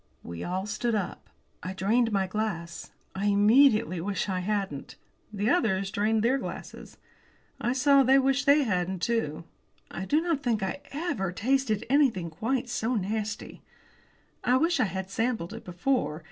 We all stood up. I drained my glass. I immediately wished I hadn't. The others drained their glasses. I saw they wished they hadn't too. I do not think I ever tasted anything quite so nasty. I wished I had sampled it before.